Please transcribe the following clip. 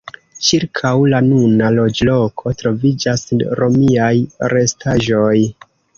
Ĉirkaŭ la nuna loĝloko troviĝas romiaj restaĵoj.